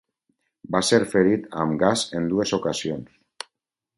Va ser ferit amb gas en dues ocasions.